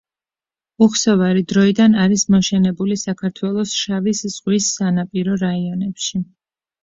უხსოვარი დროიდან არის მოშენებული საქართველოს შავის ზღვის სანაპირო რაიონებში.